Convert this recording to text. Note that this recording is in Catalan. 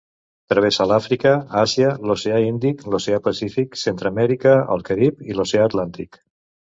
Travessa l'Àfrica, Àsia, l'oceà Índic, l'oceà Pacífic, Centreamèrica, el Carib i l'oceà Atlàntic.